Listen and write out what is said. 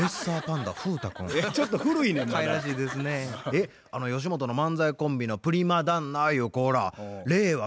えっあの吉本の漫才コンビのプリマ旦那ゆう子ら令和